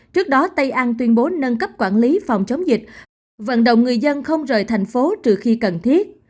trước đó tây an tuyên bố nâng cấp quản lý phòng chống dịch vận động người dân không rời thành phố trừ khi cần thiết